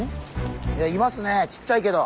いますねえちっちゃいけど。